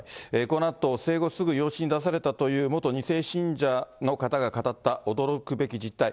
このあと、生後すぐ養子に出されたという元２世信者の方が語った驚くべき実態。